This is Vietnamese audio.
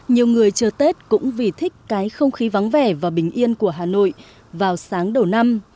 nhiều người chờ tết cũng vì thích cái không khí vắng vẻ và bình yên của hà nội vào sáng đầu năm